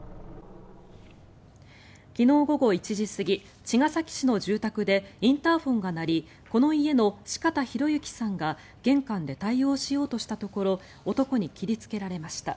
昨日午後１時過ぎ茅ヶ崎市の住宅でインターホンが鳴りこの家の四方洋行さんが玄関で対応しようとしたところ男に切りつけられました。